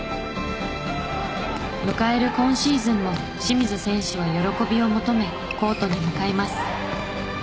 迎える今シーズンも清水選手は喜びを求めコートに向かいます。